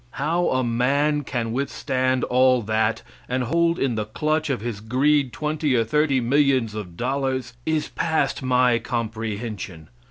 How a man can withstand all that, and hold in the clutch of his greed twenty or thirty millions of dollars, is past my comprehension.